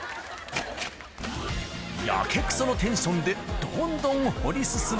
やけくそのテンションでどんどん掘り進め。